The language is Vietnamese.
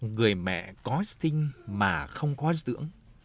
người mẹ có sinh mà không có dưỡng